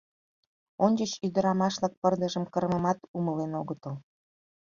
Ончыч ӱдырамаш-влак пырдыжым кырымымат умылен огытыл.